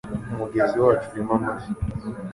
umugezi wacu urimo amafi